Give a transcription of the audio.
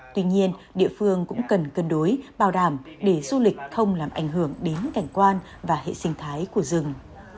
tuy nhiên địa phương cũng cần cân đối bảo đảm để du lịch không làm ảnh hưởng đến cảnh quan và hệ sinh thái của rừng